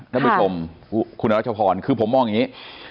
น้ำมือผมคุณรัชพรคือผมมองอย่างนี้